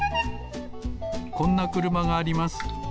こんなくるまがあります。